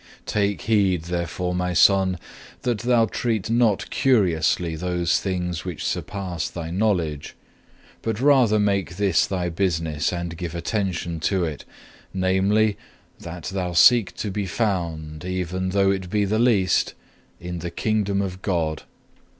7. "Take heed, therefore, My son, that thou treat not curiously those things which surpass thy knowledge, but rather make this thy business and give attention to it, namely, that thou seek to be found, even though it be the least, in the Kingdom of God.